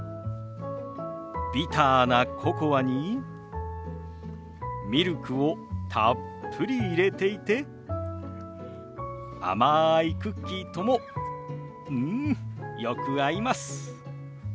ビターなココアにミルクをたっぷり入れていて甘いクッキーともうんよく合います。